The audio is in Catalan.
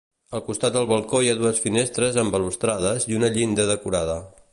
Al costat del balcó hi ha dues finestres amb balustrades i una llinda decorada.